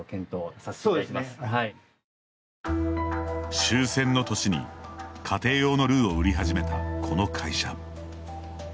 終戦の年に家庭用のルーを売り始めた、この会社。